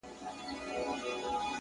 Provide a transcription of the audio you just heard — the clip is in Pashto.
عاجزي د احترام زېرمې زیاتوي!